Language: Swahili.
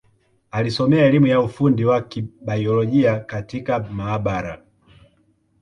Alisomea elimu ya ufundi wa Kibiolojia katika maabara.